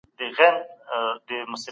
موږ باید د خپلي مځکي خیال وساتو.